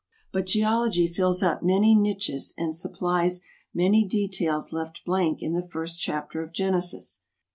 But Geology fills up many niches and supplies many details left blank in the first chapter of Genesis.